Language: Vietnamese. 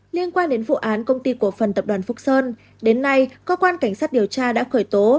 liên quan đến vụ án công ty cổ phần tập đoàn phúc sơn đến nay cơ quan cảnh sát điều tra đã khởi tố